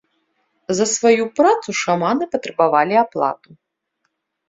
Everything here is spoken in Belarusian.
За сваю працу шаманы патрабавалі аплату.